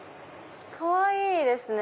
かわいいですね！